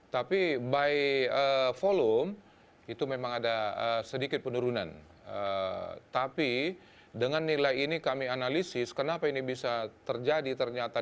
tapi by volume itu memang ada sedikit penurunan tapi dengan nilai ini kami analisis kenapa ini bisa terjadi ternyata